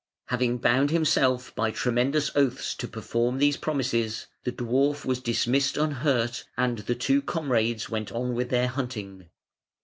Having bound himself by tremendous oaths to perform these promises, the dwarf was dismissed unhurt, and the two comrades went on with their hunting.